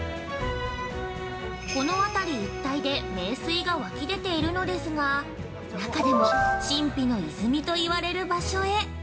この辺り一帯で名水が湧き出ているのですが中でも「神秘の泉」と言われる場所へ。